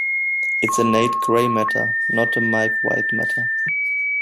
It's a Nate Gray matter, not a Mike White matter.